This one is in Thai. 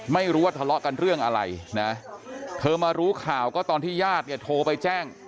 ไม่รู้ว่าทะเลาะกันเรื่องอะไรนะเธอมารู้ข่าวก็ตอนที่ญาติเนี่ยโทรไปแจ้ง